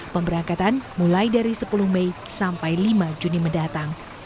pemberangkatan mulai dari sepuluh mei sampai lima juni mendatang